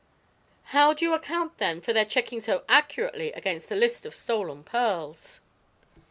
"How do you account, then, for their checking so accurately against the list of stolen pearls?"